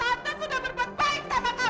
tante sudah berbuat baik sama kamu